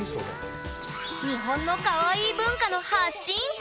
日本のカワイイ文化の発信地！